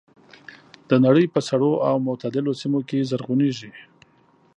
د نړۍ په سړو او معتدلو سیمو کې زرغونېږي.